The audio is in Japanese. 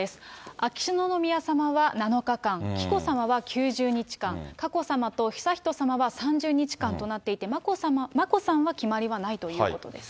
秋篠宮さまは７日間、紀子さまは９０日間、佳子さまと悠仁さまは３０日間となっていて、眞子さんは決まりはないということです。